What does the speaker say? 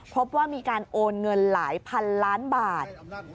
พบว่ามีการโอนเงินหลายพันล้านบาท